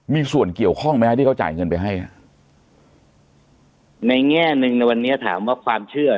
มีส่วนเกี่ยวข้องไหมฮะที่เขาจ่ายเงินไปให้อ่ะในแง่หนึ่งในวันนี้ถามว่าความเชื่อ